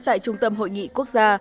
tại trung tâm hội nghị quốc gia